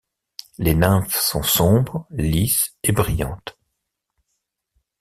Les nymphes sont sombres, lisses et brillantes.